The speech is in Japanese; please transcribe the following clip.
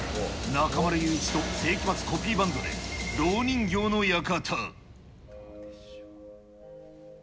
中丸雄一と聖飢魔ＩＩコピーバンドで、蝋人形の館。